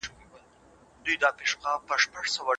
ولي د پوهي تر څنګ عملي هڅه د بریا یوازینی شرط دی؟